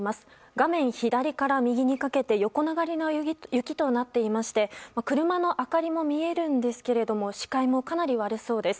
画面左から右にかけて横流れの雪となっていまして車の明かりも見えるんですが視界もかなり悪そうです。